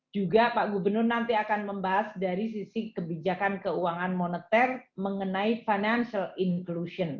juga pak gubernur nanti akan membahas dari sisi kebijakan keuangan moneter mengenai financial inclusion